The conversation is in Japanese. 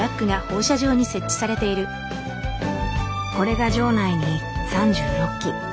これが場内に３６基。